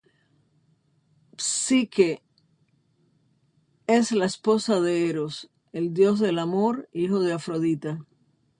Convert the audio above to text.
Psique es la esposa de Eros, el dios del amor hijo de Afrodita.